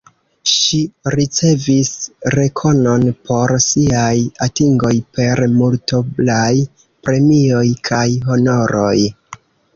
Ŝi ricevis rekonon por siaj atingoj per multoblaj premioj kaj honoroj.